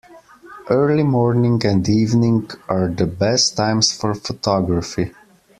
Early morning and evening are the best times for photography.